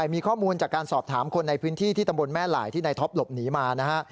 มีข้อมูลจากการสอบถามคนในพื้นที่ที่ตำบลแม่หลายที่ในท็อปหลบหนีมานะฮะ